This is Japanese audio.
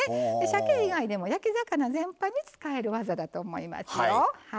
さけ以外でも焼き魚全般に使える技だと思いますよ。